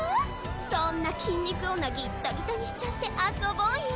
そんな筋肉女ギッタギタにしちゃって遊ぼうよ。